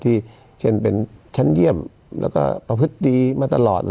ที่เป็นชั้นเหี้ยมและประพฤษดีมาตลอด